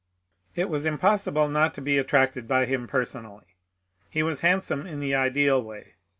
It was impossible not to be attracted by him personally. He was handsome in the ideal way.